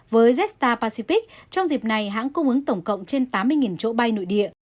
với jetstar pacific trong dịp này hãng cung ứng tổng cộng trên tám mươi chỗ bay nội địa